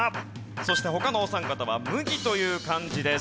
そして他のお三方は「麦」という漢字です。